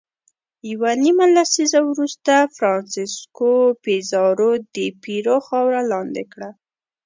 یوه نیمه لسیزه وروسته فرانسیسکو پیزارو د پیرو خاوره لاندې کړه.